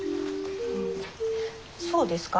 そうですか？